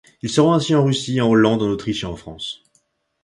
Il se rend ainsi en Russie, en Hollande, en Autriche et en France.